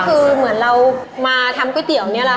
คือเหมือนเรามาทำก๋วยเตี๋ยวนี่แหละ